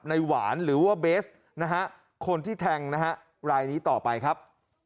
หวานหรือว่าเบสนะฮะคนที่แทงนะฮะรายนี้ต่อไปครับ